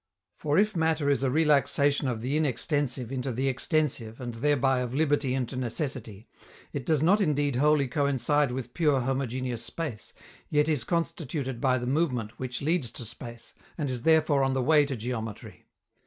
For if matter is a relaxation of the inextensive into the extensive and, thereby, of liberty into necessity, it does not indeed wholly coincide with pure homogeneous space, yet is constituted by the movement which leads to space, and is therefore on the way to geometry.